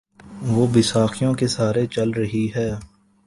وہ بیساکھیوں کے سہارے چل رہی ہے۔